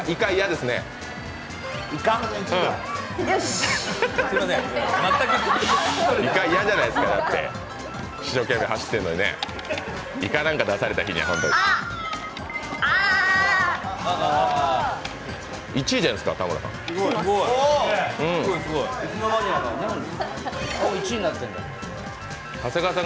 １位じゃないですか、田村さん。